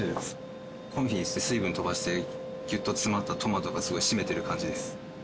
コンフィにして水分飛ばしてギュッと詰まったトマトがすごい締めている感じです。